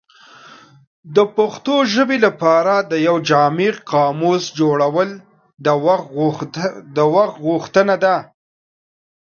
د پښتو ژبې لپاره د یو جامع قاموس جوړول د وخت غوښتنه ده.